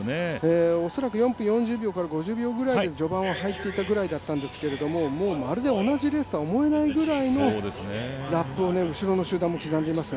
恐らく４分４０秒から４分５０秒ぐらいで回ってたんですがまるで同じレースとは思えないぐらいのラップを後ろの集団も刻んでいます。